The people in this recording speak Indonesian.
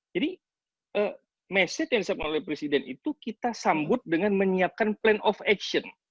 jadi message yang disampaikan oleh presiden itu kita sambut dengan menyiapkan plan of action